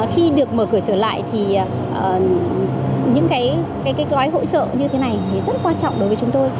khi được mở cửa trở lại thì những cái gói hỗ trợ như thế này thì rất quan trọng đối với chúng tôi